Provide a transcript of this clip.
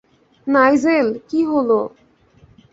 Nigel, কী হলো!